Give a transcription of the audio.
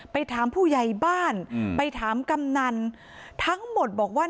ไปถามผู้ใหญ่บ้านไปถามกำนันทั้งหมดบอกว่า